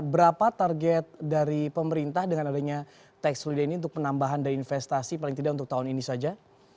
berapa target dari pemerintah dengan adanya tax holiday ini untuk penambahan dan investasi paling tidak untuk tahun ini saja